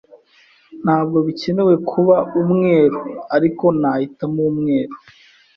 Ntabwo bikenewe kuba umweru, ariko nahitamo umweru.